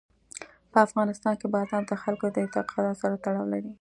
په افغانستان کې بادام د خلکو د اعتقاداتو سره تړاو لري.